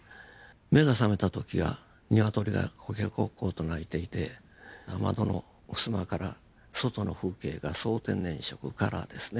目が覚めた時はニワトリがコケコッコーと鳴いていて窓のふすまから外の風景が総天然色カラーですね